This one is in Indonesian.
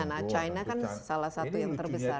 nah china kan salah satu yang terbesar